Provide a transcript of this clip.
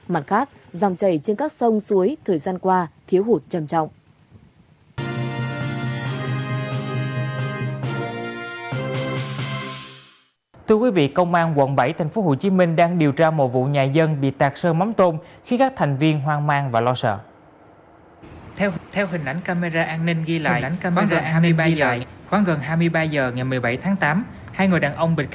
mặt khác dòng chảy trên các sông suối thời gian qua thiếu hụt trầm trọng